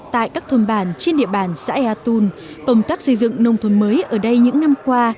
tại các thôn bản trên địa bàn xã ea tôn công tác xây dựng nông thôn mới ở đây những năm qua